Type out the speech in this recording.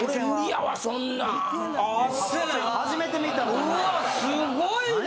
うわすごいな！